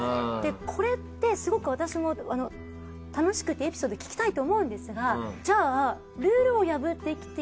これってすごく私も楽しくてエピソード聞きたいと思うんですがじゃあ。